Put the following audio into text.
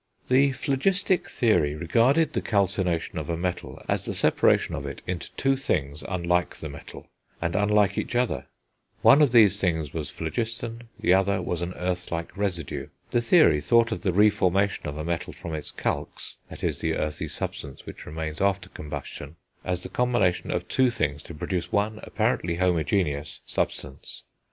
The phlogistic theory regarded the calcination of a metal as the separation of it into two things, unlike the metal, and unlike each other; one of these things was phlogiston, the other was an earth like residue. The theory thought of the re formation of a metal from its calx, that is, the earthy substance which remains after combustion, as the combination of two things to produce one, apparently homogeneous, substance.